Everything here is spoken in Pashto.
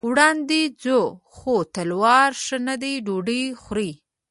وړاندې ځو، خو تلوار ښه نه دی، ډوډۍ خورئ.